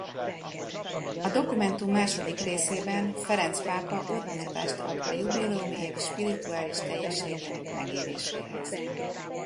A dokumentum második részében Ferenc pápa útmutatást ad a jubileumi év spirituális teljességének megéléséhez.